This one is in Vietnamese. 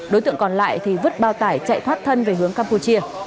đối tượng còn lại thì vứt bao tải chạy thoát thân về hướng campuchia